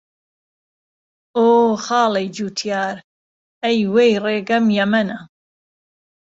ئۆ خاڵهی جووتیار، ئهی وهی رێگهم یهمهنه